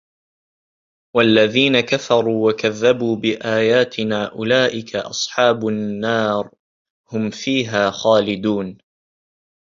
وَالَّذِينَ كَفَرُوا وَكَذَّبُوا بِآيَاتِنَا أُولَٰئِكَ أَصْحَابُ النَّارِ ۖ هُمْ فِيهَا خَالِدُونَ